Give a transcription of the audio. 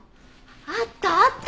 あったあった！